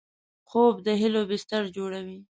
خوب د هیلو بستر جوړوي